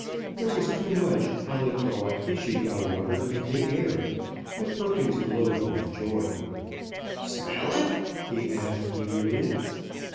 There was too much Onoto watishika water in the air. But Perkins glowed with joy. "Smell it?" he asked eagerly.